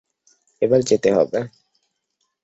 এবার যেতে হবে!